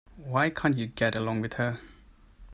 Why can't you get along with her?